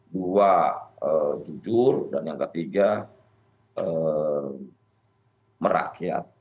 dua jujur dan yang ketiga merakyat